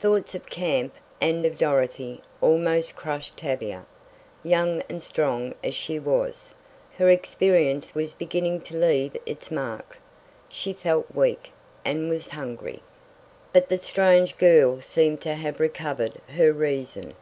Thoughts of camp, and of Dorothy, almost crushed Tavia. Young and strong as she was, her experience was beginning to leave its mark. She felt weak, and was hungry! But the strange girl seemed to have recovered her reason!